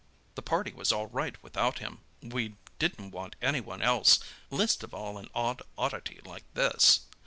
The party was all right without him—we didn't want any one else—least of all an odd oddity like this."